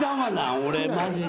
俺マジで。